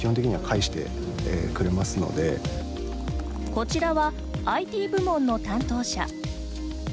こちらは、ＩＴ部門の担当者。